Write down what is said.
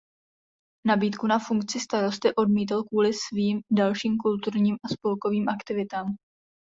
Nabídku na funkci starosty odmítl kvůli svým dalším kulturním a spolkovým aktivitám.